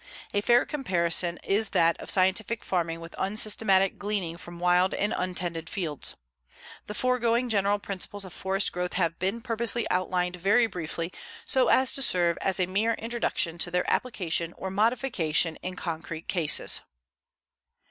A fair comparison is that of scientific farming with unsystematic gleaning from wild and untended fields. The foregoing general principles of forest growth have been purposely outlined very briefly so as to serve as a mere introduction to their application or modification in concrete cases.